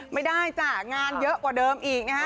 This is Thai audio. ไม่ได้จ้ะงานเยอะกว่าเดิมอีกนะฮะ